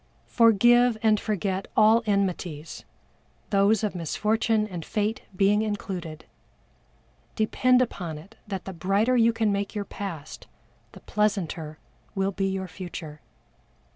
Forgive and forget all enmities those of Misfortune and Fate being included. Depend upon it that the brighter you can make your Past the pleasanter will be your Future.